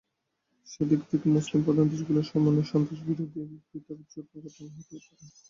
সেদিক থেকে মুসলিমপ্রধান দেশগুলোর সমন্বয়ে সন্ত্রাসবাদবিরোধী পৃথক জোট গঠন হতেই পারে।